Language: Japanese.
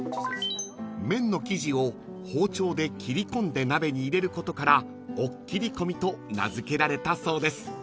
［麺の生地を包丁で切り込んで鍋に入れることからおっきりこみと名付けられたそうです］